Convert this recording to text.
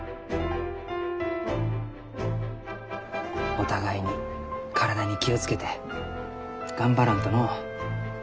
お互いに体に気を付けて頑張らんとのう。